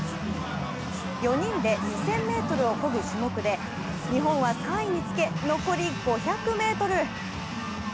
４人で２０００ｍをこぐ種目で日本は３位につけ、残り５００ｍ。